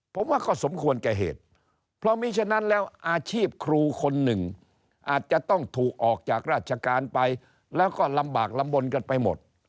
ผมว่าก็สมควรแก่เหตุเพราะมีฉะนั้นแล้วอาชีพครูคนหนึ่งอาจจะต้องถูกออกจากราชการไปแล้วก็ลำบากลำบลกันไปหมด